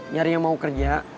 nyari yang mau kerja